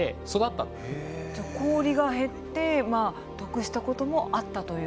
じゃ氷が減って得したこともあったという？